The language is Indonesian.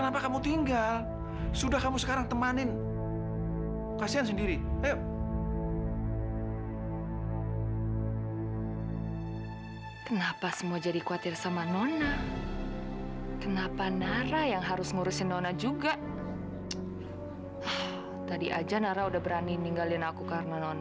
sampai jumpa di video selanjutnya